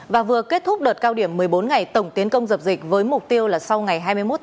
và vừa kết thúc đợt cao điểm một mươi bốn ngày tổng tiến công dập dịch với mục tiêu là sau ngày hai mươi một tháng tám